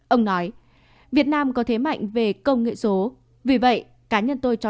ông nói việt nam có thế mạnh về công nghệ số